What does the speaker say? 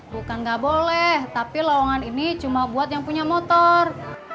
bukan nggak boleh tapi lawangan ini cuma buat yang punya motor